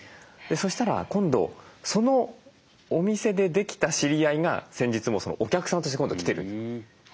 そしたら今度そのお店でできた知り合いが先日もお客さんとして今度来てる。